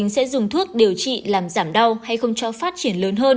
khoa ung bướu bệnh viện đảo y hà nội